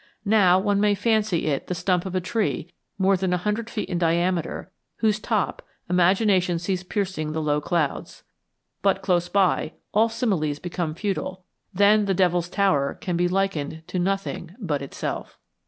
Now, one may fancy it the stump of a tree more than a hundred feet in diameter whose top imagination sees piercing the low clouds. But close by, all similes become futile; then the Devil's Tower can be likened to nothing but itself.